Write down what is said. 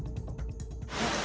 pembangunan kdrt dan kprt